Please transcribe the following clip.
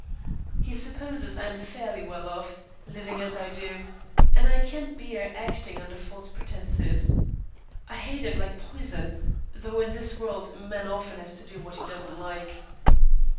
He supposes I am fairly well off, living as I do, and I can't bear acting under false pretences. I hate it like poison, though in this world a man often has to do what he doesn't like.